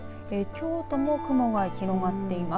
京都も雲が広がっています。